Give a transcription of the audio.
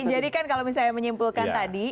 jadi kalau misalnya menyimpulkan tadi